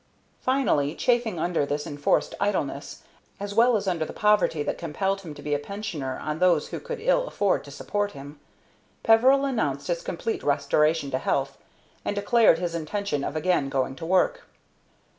Finally, chafing under this enforced idleness, as well as under the poverty that compelled him to be a pensioner on those who could ill afford to support him, Peveril announced his complete restoration to health, and declared his intention of again going to work.